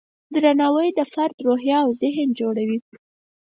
درناوی د فرد روحیه او ذهن جوړوي.